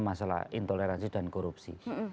masalah intoleransi dan korupsi